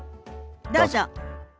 どうぞ。